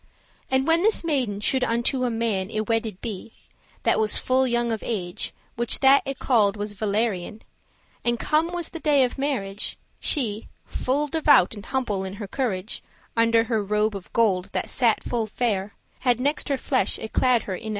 And when this maiden should unto a man Y wedded be, that was full young of age, Which that y called was Valerian, And come was the day of marriage, She, full devout and humble in her corage,* *heart Under her robe of gold, that sat full fair, Had next her flesh y clad her in an hair.